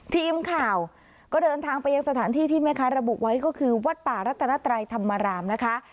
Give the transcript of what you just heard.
ทีมข่าวก็เดินทางไปยังสถานที่ที่แม่ค้าระบุไว้ก็คือวัดป่ารัตนไตรธรรมรามนะคะ